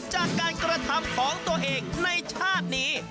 จากการกระทำของตัวเองในชาตินี้